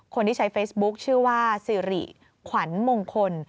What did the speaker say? คนที่ใช้เฟซบุ๊คชื่อว่าสิริขวัญมงคล